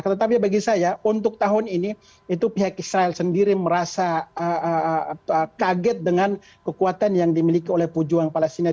tetapi bagi saya untuk tahun ini itu pihak israel sendiri merasa kaget dengan kekuatan yang dimiliki oleh pejuang palestina